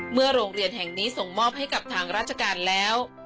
โรงเรียนแห่งนี้ส่งมอบให้กับทางราชการแล้ว